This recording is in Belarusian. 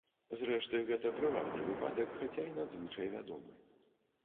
Зрэшты, гэта прыватны выпадак, хаця і надзвычай вядомы.